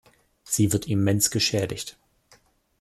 Sie wird immens geschädigt.